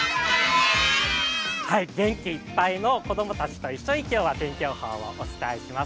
元気いっぱいの子供たちと一緒に今日は天気予報をお伝えしていきます。